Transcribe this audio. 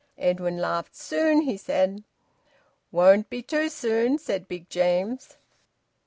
Edwin laughed. "Soon," he said. "Won't be too soon," said Big James.